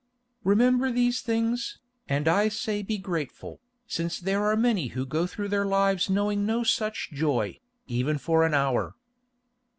Remember these things, and I say be grateful, since there are many who go through their lives knowing no such joy, even for an hour."